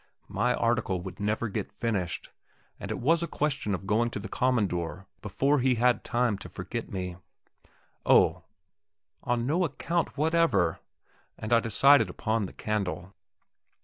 My article would never get finished, and it was a question of going to the "Commandor" before he had time to forget me. On no account whatever! and I decided upon the candle.